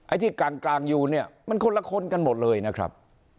ที่กลางอยู่เนี่ยมันคนละคนกันหมดเลยนะครับ